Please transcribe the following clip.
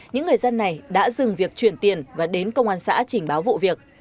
những người dân này đã dừng việc chuyển tiền và đến công an xã trình báo vụ việc